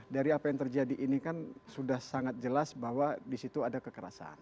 dari apa yang terjadi ini kan sudah sangat jelas bahwa di situ ada kekerasan